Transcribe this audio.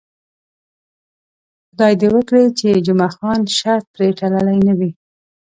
خدای دې وکړي چې جمعه خان شرط پرې تړلی نه وي.